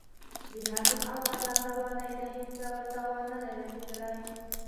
د نظم او غزل روانۍ ته هېڅ ډول تاوان نه دی رسیدلی.